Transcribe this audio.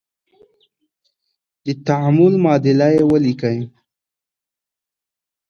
د تعامل معادله یې ولیکئ.